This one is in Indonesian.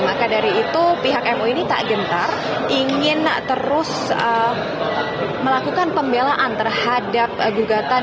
maka dari itu pihak mui ini tak gentar ingin terus melakukan pembelaan terhadap gugatan